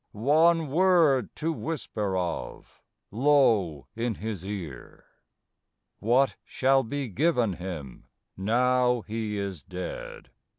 One word to whisper of Low in his ear. What shall be given him, Now he is dead?